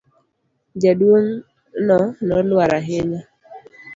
Jaduong' no noluor ahinya.